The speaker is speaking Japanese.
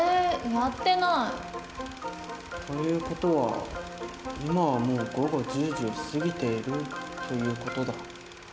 やってない。という事は今はもう午後１０時を過ぎているという事だ。